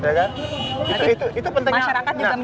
masyarakat juga menjalankan